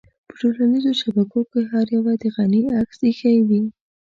په ټولنيزو شبکو کې هر يوه د غني عکس اېښی وي.